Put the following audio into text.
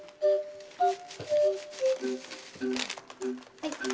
はい。